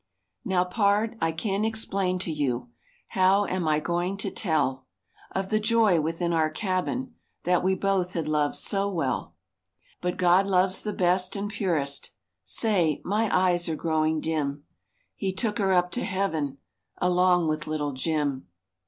Now, Pard, I can't explain to you,— How am I going to tell Of the joy within our cabin That we both had loved so well? But God loves the best and purest,— Say, my eyes are growing dim— He took her up to Heaven Along with Little Jim!